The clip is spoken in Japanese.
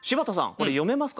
これ読めますか？